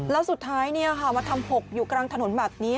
แล้วสุดท้ายมาทำ๖อยู่กลางถนนแบบนี้